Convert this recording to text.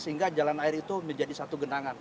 sehingga jalan air itu menjadi satu genangan